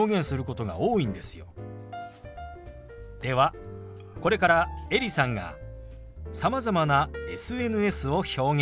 ではこれからエリさんがさまざまなＳＮＳを表現します。